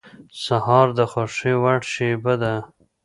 سهار د خوښې وړ شېبه ده.